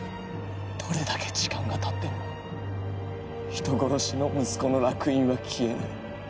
どれだけ時間が経っても人殺しの息子の烙印は消えない。